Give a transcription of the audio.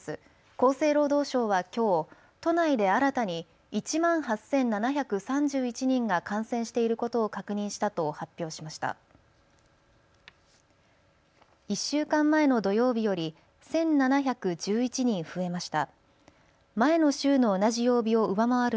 厚生労働省はきょう都内で新たに１万８７３１人が感染していることを確認したと発表しました。